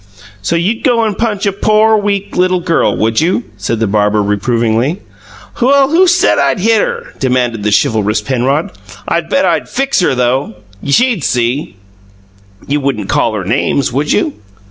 "So you'd go and punch a pore, weak, little girl, would you?" said the barber, reprovingly. "Well, who said I'd hit her?" demanded the chivalrous Penrod. "I bet I'd FIX her though, all right. She'd see!" "You wouldn't call her names, would you?"